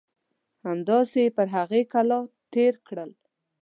همداسې یې پر هغې کلا تېر کړل.